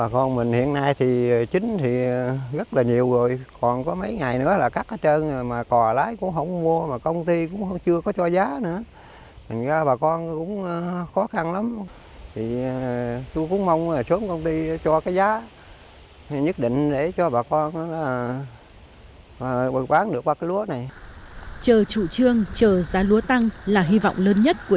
chờ trụ trương chờ giá lúa tăng là hy vọng lớn nhất của nhà lúa